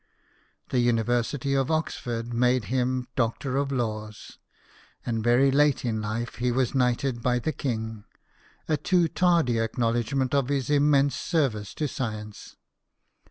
The University of Oxford made him Doctor of Laws, and very late in life he was knighted by the king a too tardy WILLIAM HERSCHEL, BANDSMAN. 113 acknowledgment of his immense services to science.